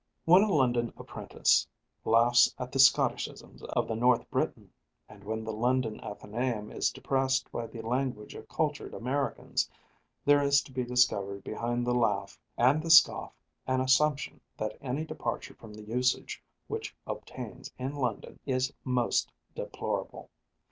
When a London apprentice laughs at the Scotticisms of the North Briton, and when the London Athenæum is depressed by the language of cultured Americans, there is to be discovered behind the laugh and the scoff an assumption that any departure from the usage which obtains in London is most deplorable.